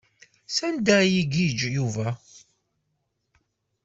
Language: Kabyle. Sanda ad igiǧǧ Yuba?